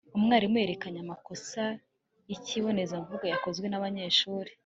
umwarimu yerekanye amakosa yikibonezamvugo yakozwe nabanyeshuri